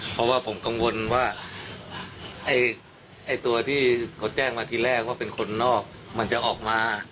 เพราะว่าผมกังวลว่าไอ้ตัวที่เขาแจ้งมาทีแรกว่าเป็นคนนอกมันจะออกมา